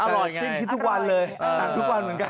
สิ้นคิดทุกวันเลยหักทุกวันเหมือนกัน